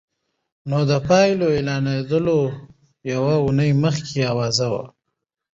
نو د پايلو اعلانېدل يوه اونۍ مخکې اوازه وه.